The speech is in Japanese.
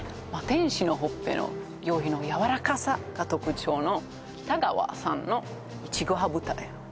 天使のほっぺの驚異のやわらかさが特徴のきた川さんのいちご羽二重